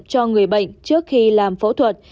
cho người bệnh trước khi làm phẫu thuật